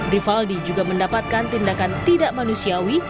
rivaldi juga mendapatkan tindakan tidak manusiawi